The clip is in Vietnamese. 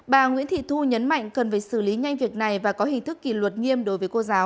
bà nguyễn thị thu nhấn mạnh cần phải xử lý nhanh việc này và có hình thức kỷ luật nghiêm đối với cô giáo